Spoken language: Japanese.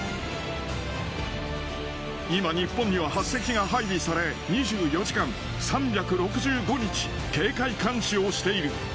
今、日本には８隻が配備され、２４時間３６５日、警戒監視をしている。